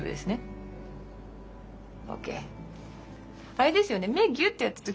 あれですよね？